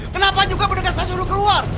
kenapa juga pedagang saya suruh keluar